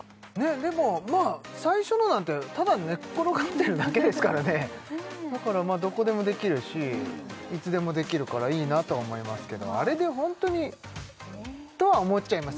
でもまあ最初のなんてただ寝っ転がってるだけですからねだからどこでもできるしいつでもできるからいいなとは思いますけどあれでホントに？とは思っちゃいます